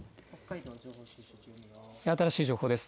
新しい情報です。